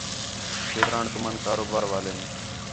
کھیتران تُمن کم کار والین